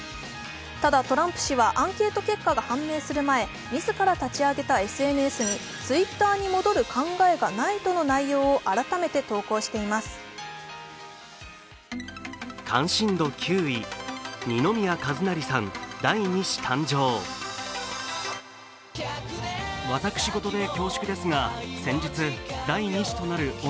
ただトランプ氏はアンケート結果が判明する前自ら立ち上げたＳＮＳに、Ｔｗｉｔｔｅｒに戻る考えがないとの内容を改めて投稿しています。